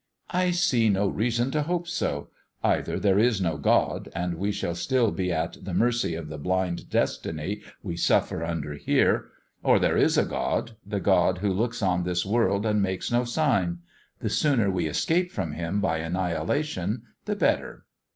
"I see no reason to hope so. Either there is no God, and we shall still be at the mercy of the blind destiny we suffer under here; or there is a God, the God who looks on at this world and makes no sign! The sooner we escape from Him by annihilation the better."